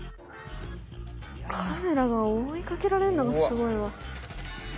カメラが追いかけられるのがすごいわ。